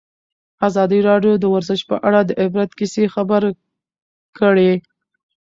ازادي راډیو د ورزش په اړه د عبرت کیسې خبر کړي.